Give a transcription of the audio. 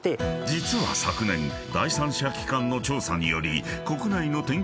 ［実は昨年第三者機関の調査により］